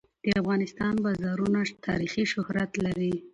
د افغانستان بازارونه تاریخي شهرت لري.